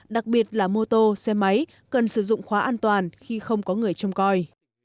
đặc biệt là mô tô xe máy cần sử dụng khóa an toàn khi không có người trông coi